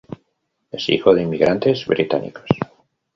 Es hijo de inmigrantes británicos.